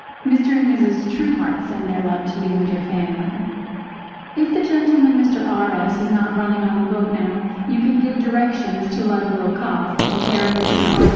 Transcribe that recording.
Mr. and Mrs. Truehart send their love to you and your family. If the gentleman, Mr. R.S., is not running on the boat now, you can give directions to Ludwill Cobb, in care of Mr. R.